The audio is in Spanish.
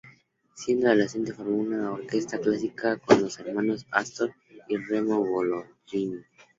Siendo adolescente formó una orquesta clásica con los hermanos Astor y Remo Bolognini.